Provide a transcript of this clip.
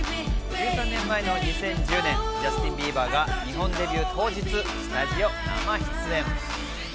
１３年前、２０１０年、ジャスティン・ビーバーは日本デビュー当日、スタジオ生出演。